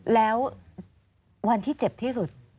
แล้ววันที่เจ็บที่สุด